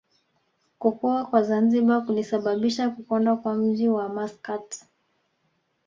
Kukua kwa Zanzibar kulisababisha kukonda kwa mji wa Maskat